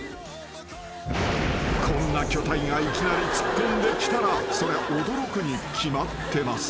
［こんな巨体がいきなり突っ込んできたらそりゃ驚くに決まってます］